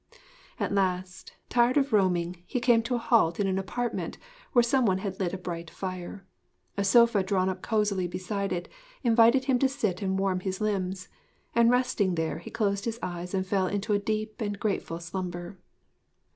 At last, tired of roaming, he came to a halt in an apartment where some one had lit a bright fire. A sofa drawn up cosily beside it, invited him to sit and warm his limbs; and resting there, he closed his eyes and fell into deep and grateful slumber.